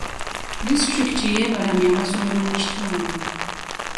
Disitulikiti yeebalamye amasomero mu kitundu.